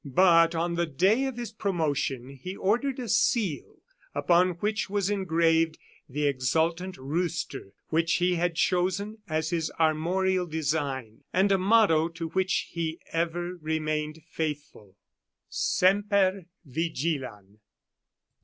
But on the day of his promotion, he ordered a seal, upon which was engraved the exultant rooster, which he had chosen as his armorial design, and a motto to which he ever remained faithful: Semper Vigilan.